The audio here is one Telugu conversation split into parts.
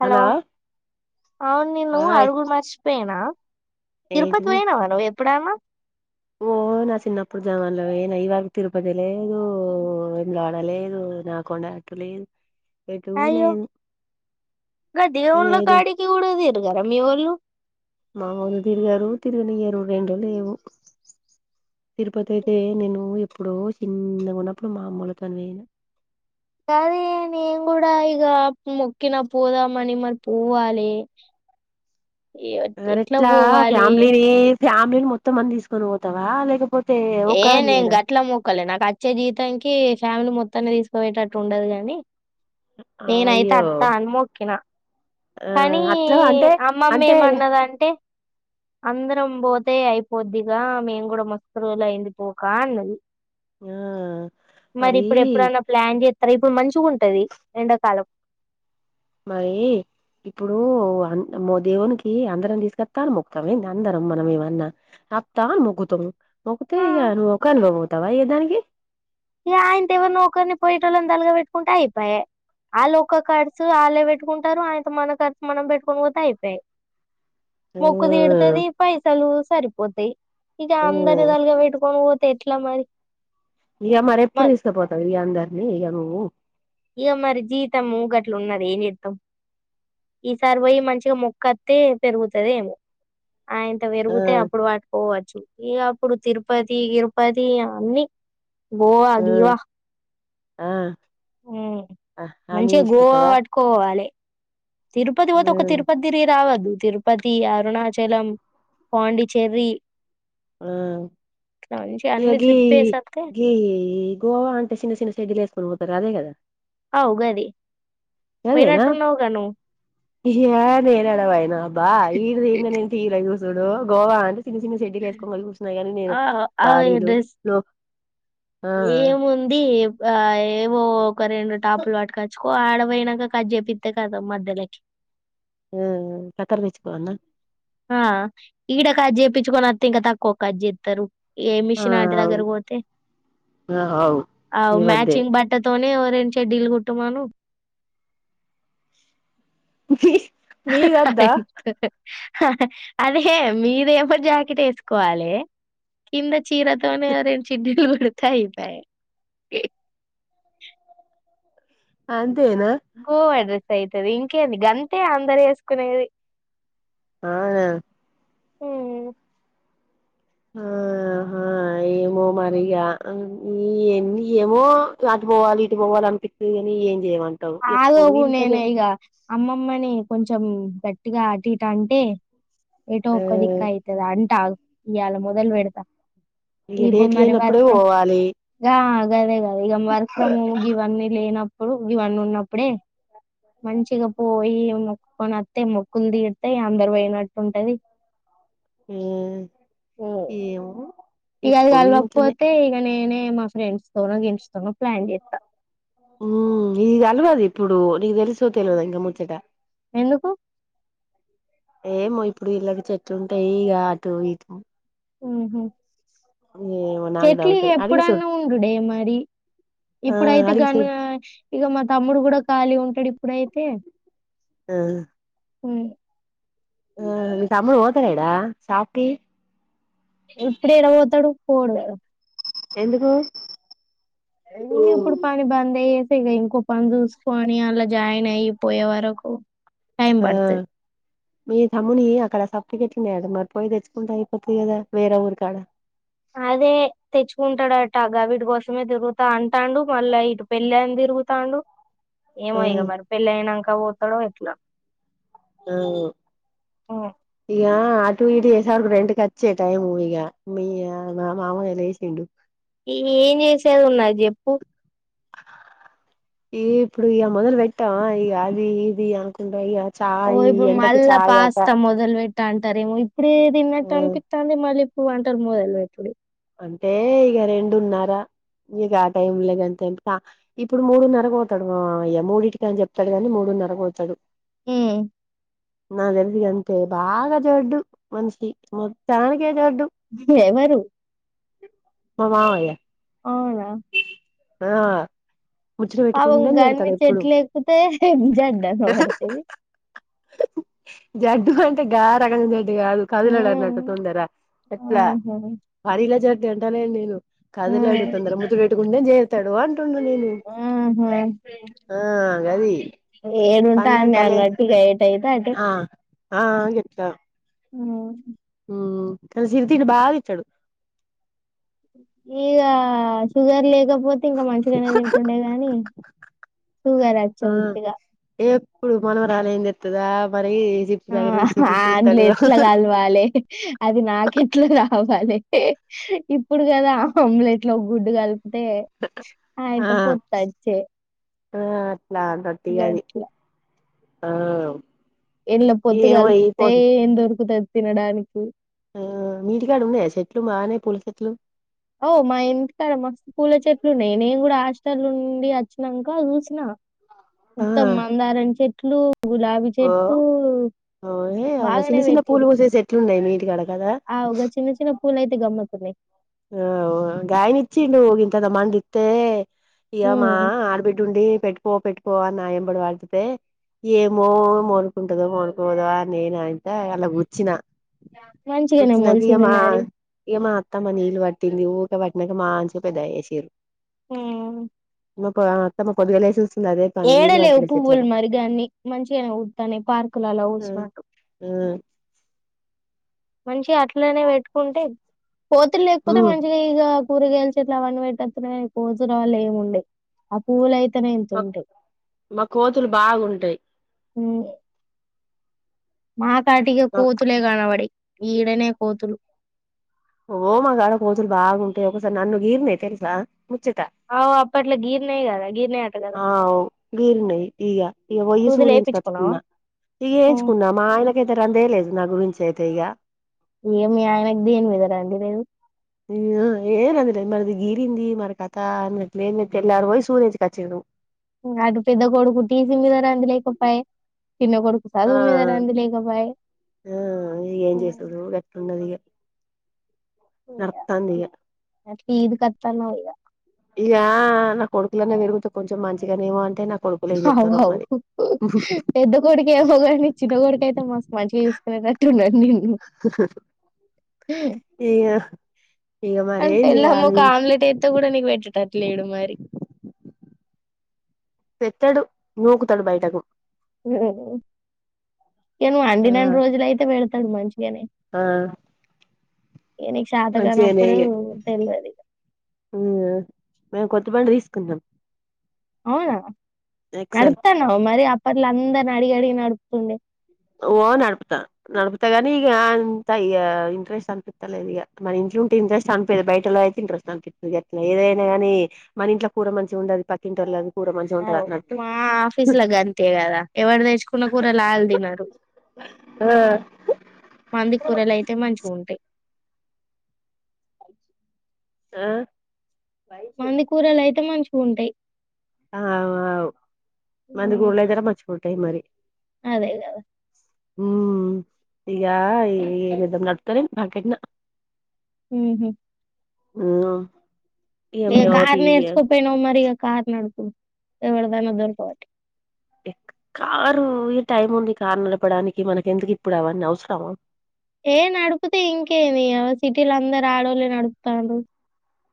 హలో అవును నీను హాయ్ అడుగు మర్చపోయినా తిరుపతి ఏంటిది పోయినావ గా ఎప్ అప్పుడనా ఓ నా చిన్నప్పుడు జనవరి లో ఏనా ఇవాళ తిరుపతి లేదు వింలాడ లేదు నా కొండ అటు లేదు ఎటు అయ్యో లేదు ఆ నేను దేవున్ల ఏది కాడికి ఉడ గరమ మీ వాళ్ళు మామూళ్లు తిరిగారు తిరిగిన ఏరు రెండు లేవు తిరుపతి అయితే నేను ఎప్పుడో చిన్నగా ఉన్నప్పుడు మా అమ్మలు తను వేయిను అదే నేం కూడా ఇక మొక్కిన పోదామని మరి పోవాలి ఏ- ఎర ఎట్లా పోవాలి ఫ్యామిలీనే ఫ్యామిలీ మొత్తం అన తీసుకొని పోతావా లేకపోతే ఏ ఒక్కదానివి నే పోయినా గట్లా ముక్కలే నాక్ పచ్చే జీతానికి ఫ్యామిలీ మొత్తాన్ని తీసుకుపోయేటట్టు ఉండల్లని నేనైతే అయ్యో అత్తా అను మొక్కిన ఆ కానీ అట్లా అంటే అమ్మమ్మ అంటే ఏమన్నదంటే అందరం పోతే అయిపోద్దిగా మేం కూడా మస్ పల్ అయింది పోకా అన్నది ఆ మరి ఇప్పుడు ఎప్పుడన్నా ప్లాన్ చేస్త రేపు మంచిగా ఉంటది ఎండాకాలం మరి ఇప్పుడు అ మ దేవునికి అందరం తీసుకెస్తా అని మొ్తాం ఏ అందరం మనం ఏమన్నా ఆప్తాని మొగ్గుతాం మొ్గితే ఆ ఇక నువ్వు ఒక అనుభవం అవుతావా ఏయ్య దానికి ఇక ఆయనతో ఎవరినా ఒకరిని పోయేట వాళ్ళంతాలుగా పెట్టుకుంటే అయిపోయ వాళ్ళ ఒ ఒక ఖర్చు వాళ్ళే పెట్టుకుంటారు ఆయన మన ఖర్చు మనం పెట్టుకొని పోతే అయి తాయి ఆ మొక్కు తీడుతది పైసలు సరిపోతాయి ఇక ఆ అందరి తలుగా పెట్టుకొని పో ఎట్లా మరి ఇక మరి మ ఎప్పుడు తీసుకపోతారు ఇక అందరినీ ఇక నువ్వు ఇక మరి జీతం గట్లు ఉన్నది ఏ నితాం ఈసారి పోయి మంచిగా మొక్కత్తే పెరుగుతది ఏమో ఆయంత ఆ పెరిగితే అప్పుడు పట్కోవచ్ ఏ అప్పుడు తిరుపతి గిరుపతి అన్నీ గోవ ఆ గీవా ఆ ఆ అని మంచిగా గోవా తీసుకొస్తావా పట్టుకోవాలి తిరుపతి పోత ఒక తిరుపతి తిరిగి రావాలి తిరుపతి అరుణాచలం పాండిచ్చేరి ఆ మంచి ఇ అన్ని గ ట్రిప్ వేసత్తే అగి గోవా అంటే సన్నసిన సైడ్లి త్రూ తగా దేగద అవుగాది పోయినాటున్నావుగాను ఏ నేరాడ వయనా బా ఈ ఇదే ఇంద న ఎంత ఇల ఇ డు గోవా అం చిన్న చిన్న చెడ్డిలు వేసుకోగలి క నిపిస్తున్నాయి గానీ నేను ఆ ఆ బాడీలు డ్రెస్ లో ఆ ఏముంది ఆ ఏమో ఒక రెండు టాపులు అట్కచ్ ఓ ఆడ పోయినాక క చేేపిస్త కదా మధ్యలోకి ఆ కతారు తేచ్చుకోవన్న ఆ ఈడ కాజ్ చేయిించుకొని వస్త ఇంకా తక్కువ కాజ్ చేస్తారు ఏ ఆ మిషన్ ఆట దగర పోోతే ఆ అవు అ మీ వద్దే మ్యాచింగ్ బట్టతోనే ఓచ్ రేన్ చెడ్డిలు కుట్టమాను వి ఆ అదే మీదేమో జాకెట్ వేసుకోవాలే కింద చీరతోనే రెండు చిడ్డులు కుడతా అయిపోయే అ గోవా అడ్రెస్ అవుతుది ఇంకేంది గంతే అందరు వేసుకునేది అన హమ్ ఆహా ఏమో మరిగా ఈన్ని ఏమో అటు పోవాలి ఇటు పోవాలి అనిపిత్తది కాని ఏం చేయమంటావు కాదు ఎప్పుడు నేను ఇంతనే ఇగ అమ్మమ్మని కొంచెం కొంచెం గట్టిగా అట్టిటు అంటే ఏటో ఆ ఒక్క దిక్కూ అయిది అంటా ఈయల మొదలు పెడతా ఈ ఇప్పుడు డేట్ మరి లేనప్పుడే వర్క్ ఫ్రమ్ పోవాలి గా గదే ఇగ వర్క్ ఫ్రమ్ హోమ్ గివన్ని లేనపు ఒ ఇవన్నీ ఉన్నప్పుడే మంచిగా పోయి మొక్కుకొని వత్తే మొక్కులు తీరుతాయి అందరు పోయినట్టుంటది హమ్ ఉమ్ ఏమో ఇగ అది ఎప్పుడు ఇంట్లోనే కలవకపోతే నేనే మా ఫ్రెండ్స్ తో హమ్ ఈ అల్వాది ఇప్పుడు నీకు తెలుసో తెల్వాదో ఇంగ ముచ్చట ఎందుకు ఏమో ఇప్పుడు వీళ్ళకి చెట్లు ఉంటాయి ఇక అటు ఇటు హమ్మ్ ఏమో నాకు చెట్లు డౌటే అడిగి సూడు ఎప్పుడన్నా ఉండుడే మరి ఆ ఇప్పుడైతే అడిగి గను సూడు ఇక మా తమ్ముడు గుడా ఖాళీ ఉం ఇప్పుడైతే అహమ్ హమ్ హమ్ తమ్ముడు పోతడ ఇడా సాఫ్టీ ఇప్పుడ ఏడపోతడు పొడిగా ఎందుకు హమ్ ఇప్పుడు పని బంద్ ఏ ఇగ ఇంకో పని చూసుకోని అలా జాయిన్ అయ్య పోయే వరకు టైం ఆ పడుతది మీ తమ్ముని అక్కడ స [inaudible] మరి పోయి తెచ్చుకుంటే అయిపోథి గదా వేరే ఊరి కాడ అదే తెచ్చుకుంటాడుటగా వీటి కోసమే తిరుగుతా అంటాండు మళ్ళా ఇటు పెళ్ళి అని తిరుగుతాండు ఆ ఏమో ఇగ మరి పెళ్లి అయినాక పోతడో ఎట్లో హమ్ ఉమ్. ఇగా అటు ఇది చేసార్ రెంట్ వచ్చే టైము ఇక మీ మామయ్య లేసిండు ఈ ఏం చేసేది ఉన్నది చెప్పు ఈ ఇప్పుడు ఇ మొదలు వెట్టం ఇక అది ఇది అనుకుంట ఇది ఓ ఇప్పుడు మళ్ళ పాస్తా మొదలు మీట్ టాంటారే మ ఇప్పుడు ఆ తిన్నట్టు అనిపిస్తుంది మళ్ళీ వ్ అంటారు మోదల్వ ఇతుుడి అంటే ఇక రెండున్నర ఇక ఆ టైమ్ ంత ఎంపి ఇప్పుడు మూడున్నరకు పోతాడు మూడింటికిని చెప్తాడు కాని మూడున్నరకు వచ్చాడు ఉమ్. నా తెలిదిగాంత అే బాగా జోడ్డు మనిషి మొత్తానికి ఎవరు మా మామయ్య అవునా ఆ ముచ్చట పావ పెట్టుకుంటేనే గళ తిడతాడు ఎప్పుడు చెట్లేకుతే మజా దగా పడత అంటే జడ్డు గగా రగడి అ కదులలన్నాట ఆహా తొందర ఎట్లా మరిల జ దడ్డాలడి నేను ఉమ్. కదలాడుతుంద్ర ము గుతు పెట్టుకుంటే చేరుతాడు అంటున్నా నేను ఆహా ఆ గది ఏడుంటా అనిను పండ్లంటలే బట్టి గైట్ అయితే అంటే ఆ ఆ అని చెప్తా ఉ కానీ సిరి దని బాగా ఇచ్చాడు ఈకా సుగర్ లేగప్ కపోతే ఇంకా మంచిగానేదిింటుండే గాని సుగర్ వచ్చే వత్తిగా ఇప్పుడు మనం రాలేంది ఎతుదా మ ఆ అంలు ఎట్లా కలవాలి అది నాకెట్లా రా అవాలే ఇప్పుడు కదా ఆమ్లెట్ లో గుడ్డు కలిపి అదే ఆ ఆయితే పొత్తడుచ్చే ఆ రొట్టగా అది ఆ ఎళ ఏమో పో పొత్తుకాలతే ఎంతొరుకు తె తినడానికి ఆ ఇంటికాడ ఉన్నాయా చెట్లు బానే పూల చెట్లు ఓ మా ఇంటికాడ మస్తు పూల చెట్లు ఉన్నాయి నేను కూడా హాస్టర్ నుండి వచ్చినాక చూసిన త్తమ్మాందాారాని చె ను ఓఓహే అ చిన్న చిన్న పూలు పోసేసి ఎట్లున్నాయి మీ కడ ఆ ఒకగా చిన్న చిన్న పూల అయితే గమ్మత్ ఆఓ గగాయని ఇచ్చి నువవుగి ఇంతద మంది ఇతే ఇ్యమా ఉమ్ ఆడబిడ్డు ఉండి పెట్టుకో పెట్టు పో నాయ పడు వాలంటతే ఏమో మో టదో కొనుకోదా అ నేను అంత అలా కూర్చిన మంచిగానే కూర్చినక మొలిసింది ఏమా మరి ఏమా అత్తమని ది ఒక పట్నక మాన్ చె పెదాసిరు హ మ తమ పదవ లై ఏడలే పువ్వులు మరిగాన్ని మంచిగానే తనే పార్కులలో వస్తుినట్టు మంచి ఇట్లోనే పెట్టుకుంటే పోతు లేకపోతే మంచిగా ఇక పూరు గెల్చి ఇట్లా వం పెట్టన్నా పోజుళ్ ఏముండే ఆ పూవలయితే మా మా కోతులు బాగుంటాయి ఉమ్. మా చాటికి కోతులే కాన అబడి ఈడనే కోతులు ఓ మా గాడ కోజలు బాగుంటాయి ఒకసారి నన్ను గీరినయి తెలుసా ముచ్చట అవు అట్ల గిర్ నయ గద గిర్ న ఆ వీరున్నాయి ఇక ఇక వయ్యి సూదులు సూర్ంచి వేయించుకున్నావా కచ్చుకున్నా ఇక ఉమ్ వేయించుకున్నా మా ఆయనకతే రందేయలేదు నాకు గురించి అతే ఇక ఏమి ఆయనకి దేని మీదరండి లేరు ఏ మరిది గీరింది మరి కథ అన్నట్ తెల్లారు పోయి సూర్యజకిచ్చ అటు పెద్ద కొడుకు సి మీద అంది లేకపో చిన్న కొడుకు స ఆ సాధవు మీదార అంంది లేకపాయ ఆ ఏం చేసదు గట్ అదిగా నిర్తా న్య ఈద కత్తనా వయిగా ఇక నా కొడుకులనే విరుగుతే కొంచెం మంచిగానేమో అంటే నాకు అవు అవు పెద్ద కొడికేవోగానీ చిన్న కొడికయితే మస్త్ మంచిగా చూసుకునేటట్టు ఉండాడు హ హా ఏకా అంటే ఎల్లమ్మ ఒక ఆమ్లెట్ అయితే కూడా నీకు పెట్టేటట్టు లేడు మరి. పెట్టడు నూకుతడు బయటకు ఉహు నేను ఆ అండిన్నన్ని రోజులైతే పెడత్ మంచి ఆ ఇగ నీకు మంచిగనే శాతకానప్పుడు ఇగ వద్దన్నది ఇక మేము కొత్త బండి తీసుకుంటాం అవునా నడుపుతనవ్ మరి అప్ పట్ల అందరిని అడిగి అడిగి నడుపుతుండే ఓ నడుపుతా నడుపుత గాని ఇక అంత ఇక ఇంట్రెస్ట్ అనిపిస్తలేదు. ఇక మన ఇంట్లో ఉంటే ఇంట్రెస్ట్ అనిపిది బయటలో అయితే ఇంట్రెస్ట్ అనిపిస్తది. ఎట్లా ఏదైనాగాని మన ఇంట్లో కూర మంచిగా ఉండది పక్కింటోళ్ళది. కూర మంచిగా అ ఉంటది అన్నట్టు మా ఆఫీస్లో గంతే కదా ఎవరు తెచ్చుకున్న కూర వాళ్ళు తినరు పంది కూూరలు అయితే మంచిగా ఉంటయ్ ఆ మందికూరల్ అయితే ఎంత మంచిగా ఉంటాయి అ మంది కుర్లయితే మంచిగుంటై మరి అదే కదా హూ ఇకా ఏదమ్ నడతారే మానా హూ హు ఉ ఆ ఏ కార్ నేర్సుకొనిపోయినవ్ మరిగా కార్ నడుపు ఎవరిదైనా దొరకబట్టి కారు ఈ టైం ఉంది కారు నడపడానికి మనకి ఎందుకు ఇప్పుడు అవన్నీ అవసరమా ఏ నడుపుతే ఇంకేంది సిటీలో అందరు ఆడోళ్ళే నడుపుతారు.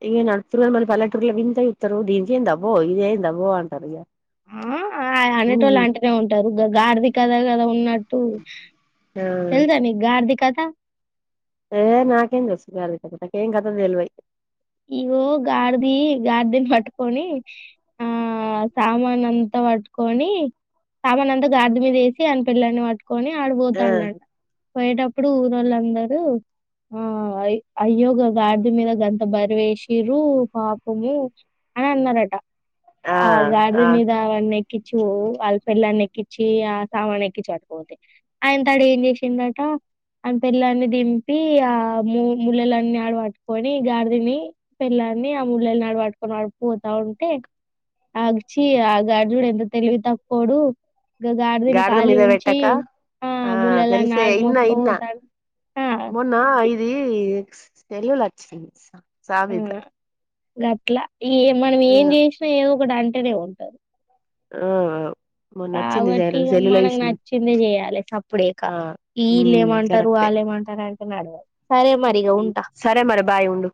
ఇంకేం నడుప్తున్నారు మరి పల్లెటూర్లో వింతగ చూత్త రు దీనీకెందబో ఇదేందబో అంటారు ఇగ ఆ అన్నిటి ఉహు వాళ్ళు అంటేనే ఉంటారు గార్ది కథ కదా ఉన్నట్టు ఆ తెలుసా నీకు గార్ది కథ ఆ ఏ నాకేం ఏం తెలుసు గాడిది కథ నాకేం కథ తెలువదు ఇగో గాడిది గాడిదిని పట్టుకొని ఆ సామాన్ అంతా పట్టుకొని సామాన్ అంతా గాడిద మీద వేసి అ పిల్లాని పట్టుకని కొని ఆ ఆడిపోతాండంట పోయేటప్పుడు ఊరోళ్ళందరూ ఆ అయ్యోగా గార్ది మీద గంత బర్వేసిరు పాపము అని అన్నారట ఆ గగాడ ఆ మీద అన్న ఎక్కిచ్చు వాళ్ల్పిల్ ఎక్కిచ్చు వచ్చి ఆ సామాన్ ఎక్కి చటుపోతే ఆయన తడు ఏం చేసిందట ఆయన పిల్లని దింపి ఆ ము ములలన్ని ఆడ పట్టుకొని గాడి ని పిల్లాని ఆ ముళ్ళళనాడ పట్టుకొని ఆడుపోతా ఉంటే ఆగిచి ఆ గగాజుడు ఎంత తెలివి తక్కుోడు గార్డ ద మీద వెట్టక ఆ ముళ్ళలాన్ని తెలిసే ఆడు ఇన్న ఇన్న మోసుకపోతాడు ఆ మొన్న ఇఐది తెలుగులో వచ్చింది ఆ సావిత గట్లా ఇ మనం ఏం చేసినా ఏదో ఒకటి అంట అంటనే ఉంటది ఆ మొన్న వచ్చింది కాబట్టి ఇగా సెల్లుల మనక్ చూసిన నచ్చింది చేయాలి. అప్పుడే ఇక ఆ ఉమ్ వీలేమంటారు కరెక్టే వాలేమంటారు అం తిన్నాడు సరే మరి ఇగా ఉంటా సరే మరి బాయ్ ఉండు